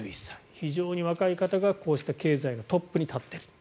非常に若い方がこうした経済のトップに立っている。